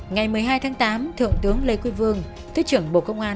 ngày một mươi hai tháng tám thượng tướng lê quy vương thuyết trưởng bộ công an